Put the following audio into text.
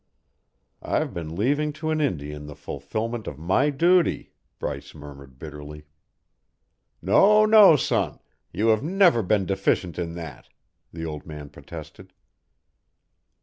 "I've been leaving to an Indian the fulfillment of my duty," Bryce murmured bitterly. "No, no, son. You have never been deficient in that," the old man protested.